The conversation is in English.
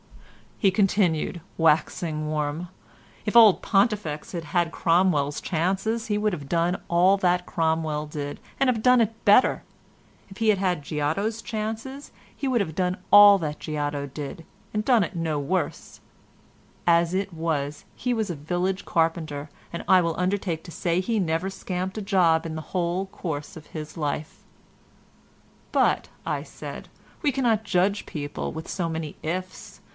continued he, waxing warm, "if old Pontifex had had Cromwell's chances he would have done all that Cromwell did, and have done it better; if he had had Giotto's chances he would have done all that Giotto did, and done it no worse; as it was, he was a village carpenter, and I will undertake to say he never scamped a job in the whole course of his life." "But," said I, "we cannot judge people with so many 'ifs.